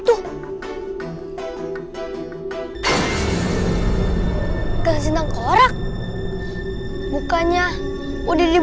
oh enggak tau